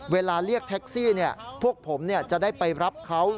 เรียกแท็กซี่พวกผมจะได้ไปรับเขา